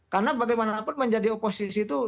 karena bagaimanapun menjadi oposisi itu